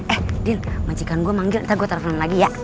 eh andin majikan gue manggil ntar gue telfon lagi ya